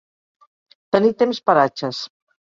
Tenir temps per atxes.